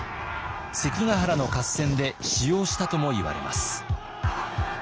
関ヶ原の合戦で使用したともいわれます。